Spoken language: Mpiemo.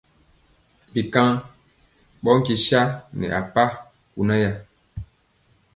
Ɓɛ nkaŋ ɓɔ nkye sa nɛ a paa kunaaya.